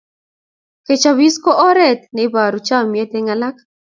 Kechopis ko oret neiporu chamiet eng alak